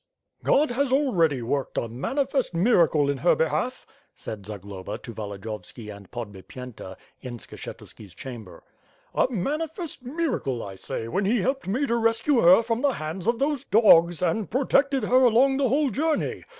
*'Qod has already worked a manifest miracle in her behalf/' said Zagloba to Volodiyovski and Podbipyenta, in Skshetu ski's chamber. "A manifest miracle, I say, when he helped me to rescue her from the hands of those dogs, and protected her along the whole journey.